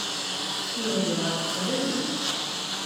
Yehbel ɣef teqbaylit.